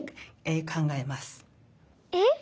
えっ？